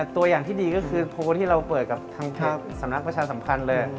ตัวอย่างที่ดีก็คือโพลที่เราเปิดกับทางสำนักประชาสัมพันธ์เลย